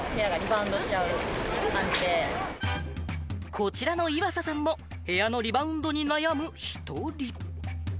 こちらの岩佐さんも部屋のリバウンドに悩む１人。